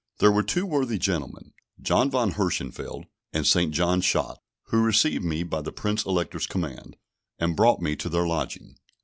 There were two worthy gentlemen (John Von Hirschfeld, and St. John Schott), who received me by the Prince Elector's command, and brought me to their lodging.